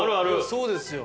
そうですよ。